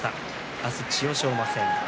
明日、千代翔馬戦です。